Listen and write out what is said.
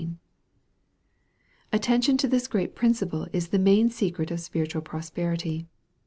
Attention to this great principle is the main secret of spiritual prosperity.